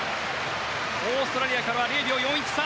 オーストラリアからは０秒４１差。